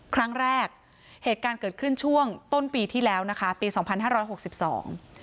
เหตุการณ์เกิดขึ้นช่วงต้นปีที่แล้วนะคะปีสองพันห้าร้อยหกสิบสอง